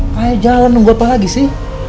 kayak jalan nunggu apa lagi sih